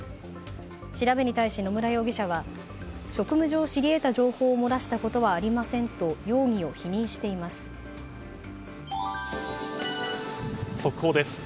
調べに対し野村容疑者は職務上知り得た情報を漏らしたことはありませんと速報です。